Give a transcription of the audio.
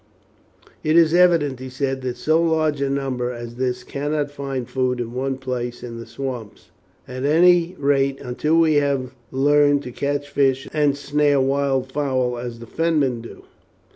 "It is evident," he said, "that so large a number as this cannot find food in one place in the swamps, at any rate until we have learned to catch fish and snare wildfowl as the Fenmen do.